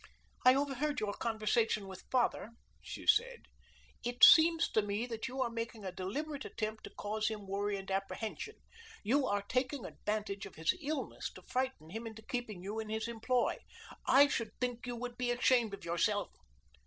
"I overheard your conversation with father," she said. "It seems to me that you are making a deliberate attempt to cause him worry and apprehension you are taking advantage of his illness to frighten him into keeping you in his employ. I should think you would be ashamed of yourself."